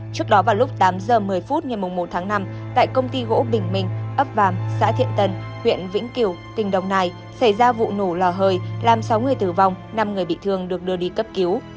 trước đó vào lúc tám giờ một mươi phút ngày một tháng năm tại công ty gỗ bình minh ấp vàm xã thiện tân huyện vĩnh kiểu tỉnh đồng nai xảy ra vụ nổ lò hơi làm sáu người tử vong năm người bị thương được đưa đi cấp cứu